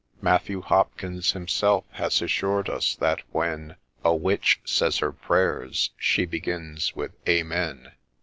(Matthew Hopkins himself has assured us that when A witch says her prayers, she begins with " Amen.")